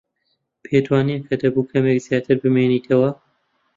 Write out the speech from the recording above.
پێت وانییە کە دەبوو کەمێک زیاتر بمێنینەوە؟